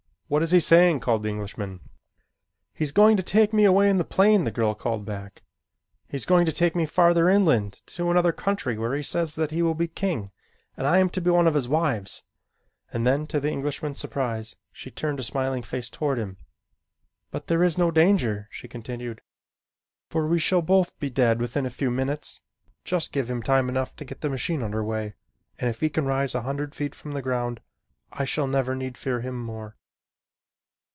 "What is he saying?" called the Englishman. "He is going to take me away in the plane," the girl called back. "He is going to take me farther inland to another country where he says that he will be king and I am to be one of his wives," and then to the Englishman's surprise she turned a smiling face toward him, "but there is no danger," she continued, "for we shall both be dead within a few minutes just give him time enough to get the machine under way, and if he can rise a hundred feet from the ground I shall never need fear him more."